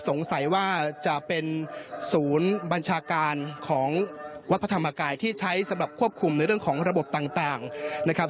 สงสัยว่าจะเป็นศูนย์บัญชาการของวัดพระธรรมกายที่ใช้สำหรับควบคุมในเรื่องของระบบต่างนะครับ